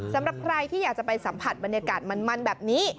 สำหรับใครที่อยากจะไปสัมผัสบรรยากาศมันแบบนี้